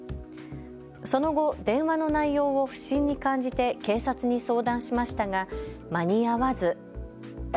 その後、電話の内容を不審に感じて警察に相談しましたが間に合わず。